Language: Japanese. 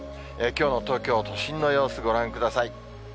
きょうの東京都心の様子、ご覧ください。